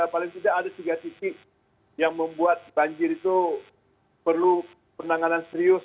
paling tidak ada tiga titik yang membuat banjir itu perlu penanganan serius